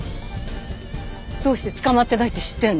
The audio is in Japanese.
どうして捕まってないって知ってんの？